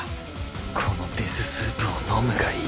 このデス・スープを飲むがいい